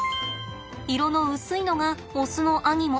色の薄いのがオスのアニモ。